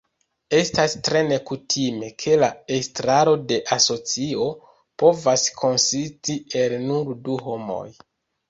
Estas tre nekutime, ke la estraro de asocio povas konsisti el nur du homoj.